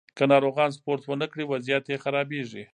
که ناروغان سپورت ونه کړي، وضعیت یې خرابېږي.